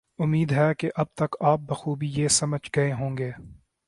امید ہے کہ اب تک آپ بخوبی یہ سمجھ گئے ہوں گے